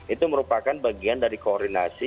itu merupakan bagian dari koordinasi